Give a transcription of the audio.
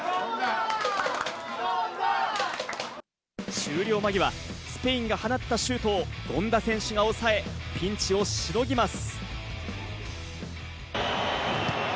終了間際、スペインが放ったシュートを権田選手が抑えピンチをしのぎます。